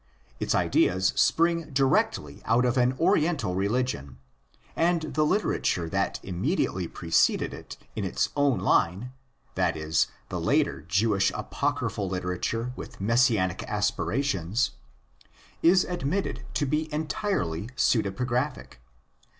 Its ideas spring directly out of an Oriental religion ; and the literature that imme diately preceded it in its own line—that is, the later 1 2 THE ORIGINS OF CHRISTIANITY Jewish apocryphal literature with Messianic aspira tions—is admitted to be entirely pseudepigraphic.